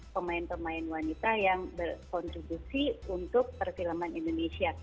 pemain pemain wanita yang berkontribusi untuk perfilman indonesia